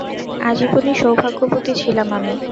আজীবন-ই সৌভাগ্যবতী ছিলাম আমি।